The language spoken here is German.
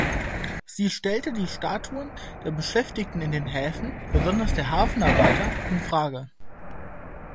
Sie stellte die Statuten der Beschäftigten in den Häfen, besonders der Hafenarbeiter, in Frage.